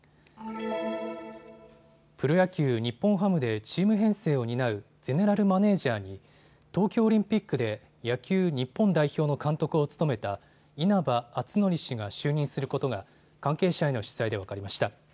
プロ野球、日本ハムでチーム編成を担うゼネラルマネージャーに東京オリンピックで野球日本代表の監督を務めた稲葉篤紀氏が就任することが関係者への取材で分かりました。